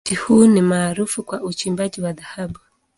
Mji huu ni maarufu kwa uchimbaji wa dhahabu.